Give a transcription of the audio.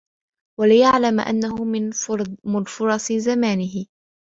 وَلْيَعْلَمْ أَنَّهُ مِنْ فُرَصِ زَمَانِهِ